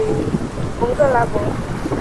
蒙克拉博。